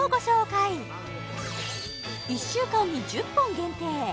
１週間に１０本限定